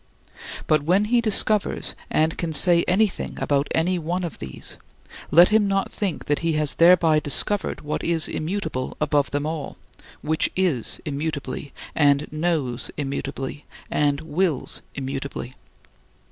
But when he discovers and can say anything about any one of these, let him not think that he has thereby discovered what is immutable above them all, which is immutably and knows immutably and wills immutably.